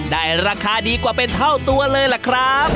ได้ราคาดีกว่าเป็นเท่าตัวเลยล่ะครับ